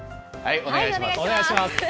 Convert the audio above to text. お願いします。